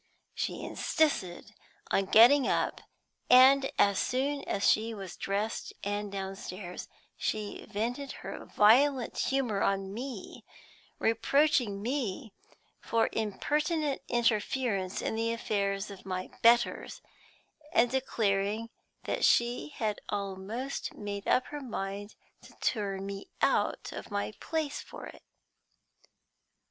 She insisted on getting up, and as soon as she was dressed and downstairs, she vented her violent humor on me, reproaching me for impertinent interference in the affairs of my betters, and declaring that she had almost made up her mind to turn me out of my place for it.